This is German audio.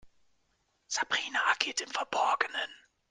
Sabrina agiert im Verborgenen.